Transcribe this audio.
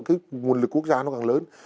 cái nguồn lực quốc gia nó càng lớn